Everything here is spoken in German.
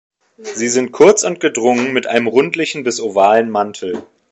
Sie sind kurz und gedrungen mit einem rundlichen bis ovalen Mantel.